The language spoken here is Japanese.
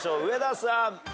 植田さん。